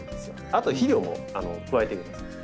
あと肥料も加えてください。